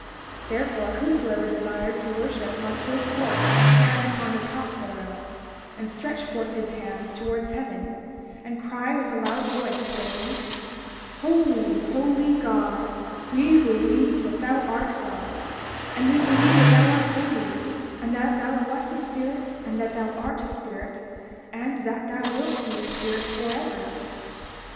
31:14 Therefore, whosoever desired to worship must go forth and stand upon the top thereof, and stretch forth his hands towards heaven, and cry with a loud voice, saying: 31:15 Holy, holy God; we believe that thou art God, and we believe that thou art holy, and that thou wast a spirit, and that thou art a spirit, and that thou wilt be a spirit forever.